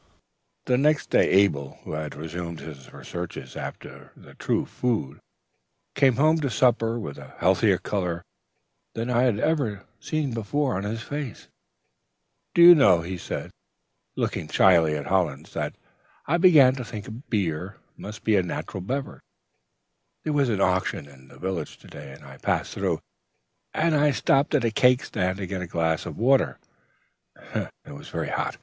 "The next day, Abel, who had resumed his researches after the True Food, came home to supper with a healthier color than I had before seen on his face. "'Do you know,' said he, looking shyly at Hollins, 'that I begin to think Beer must be a natural beverage? There was an auction in the village to day, as I passed through, and I stopped at a cake stand to get a glass of water, as it was very hot.